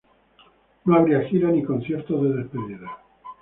No habría gira ni conciertos de despedida.